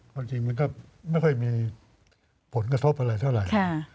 จริงมันก็ไม่มีผลกระทบอะไรเท่าไร